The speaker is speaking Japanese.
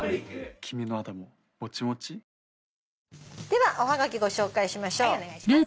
ではおはがきご紹介しましょう。